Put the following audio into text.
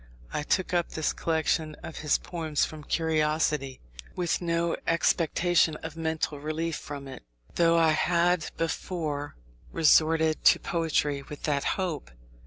I took up the collection of his poems from curiosity, with no expectation of mental relief from it, though I had before resorted to poetry with that hope.